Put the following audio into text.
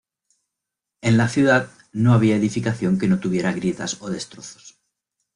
En la ciudad, no había edificación que no tuviera grietas o destrozos.